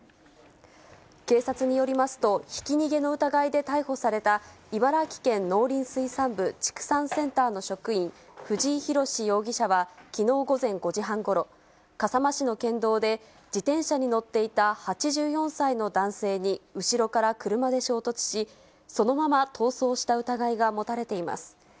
警察によりますと、ひき逃げの疑いで逮捕された茨城県農林水産部畜産センターの職員、藤井浩容疑者は、きのう午前５時半ごろ、笠間市の県道で、自転車に乗っていた８４歳の男性に後ろから車で衝突し、そのまま逃走した疑いが持たれています。